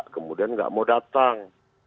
kemudian gak mau datang